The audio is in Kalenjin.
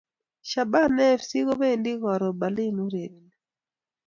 Shabana fc kobendi karon berlin urereni